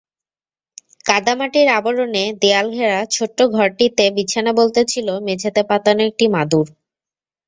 কাদামাটির আবরণে দেয়ালঘেরা ছোট্ট ঘরটিতে বিছানা বলতে ছিল মেঝেতে পাতানো একটি মাদুর।